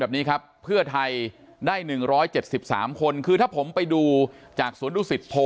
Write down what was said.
แบบนี้ครับเพื่อไทยได้๑๗๓คนคือถ้าผมไปดูจากสวนดุสิตโพ